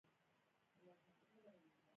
که فوکسین وکارول شي سور رنګ نیسي.